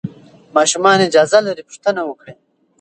ماشومان اجازه لري پوښتنه وکړي.